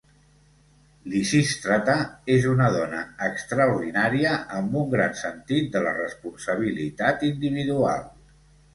Lisístrata és una dona extraordinària amb un gran sentit de la responsabilitat individual.